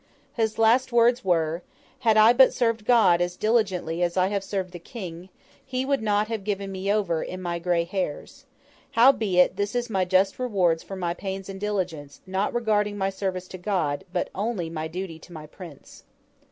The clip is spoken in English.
His last words were, 'Had I but served God as diligently as I have served the King, He would not have given me over, in my grey hairs. Howbeit, this is my just reward for my pains and diligence, not regarding my service to God, but only my duty to my prince.